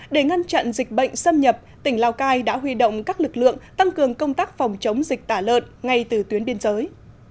để ngăn chặn dịch bệnh xâm nhập tỉnh lào cai đã huy động các lực lượng tăng cường công tác phòng chống dịch tả lợn ngay từ tuyến biên giới